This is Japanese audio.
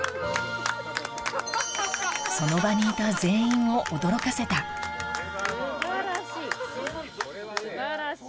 その場にいた全員を驚かせた・素晴らしい素晴らしい！